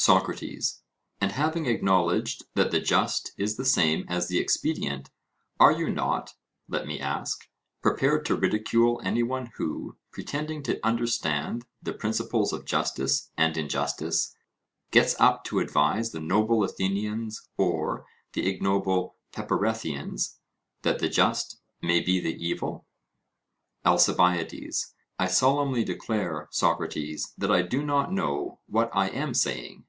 SOCRATES: And having acknowledged that the just is the same as the expedient, are you not (let me ask) prepared to ridicule any one who, pretending to understand the principles of justice and injustice, gets up to advise the noble Athenians or the ignoble Peparethians, that the just may be the evil? ALCIBIADES: I solemnly declare, Socrates, that I do not know what I am saying.